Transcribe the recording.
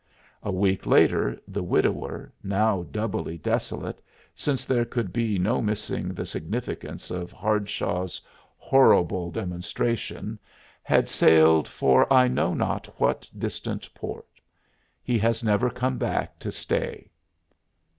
A week later the widower, now doubly desolate, since there could be no missing the significance of Hardshaw's horrible demonstration, had sailed for I know not what distant port; he has never come back to stay.